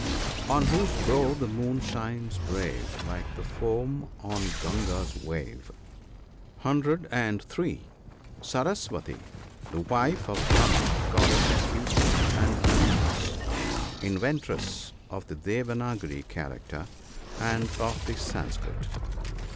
" On whose brow the Moon shines brave, Like the foam on Gunga's wave. " (103.) Saraswati. — The wife of Brahma, goddess of speech and elo quence — inventress of the Devanagari character and of the Sanskrit.